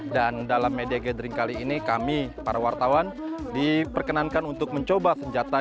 dan dalam media gathering kali ini kami para wartawan diperkenankan untuk mencoba senjata